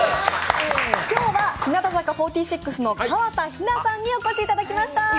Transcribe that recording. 今日は日向坂４６の河田陽菜さんにお越しいただきました。